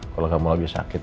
kalau kamu lebih sakit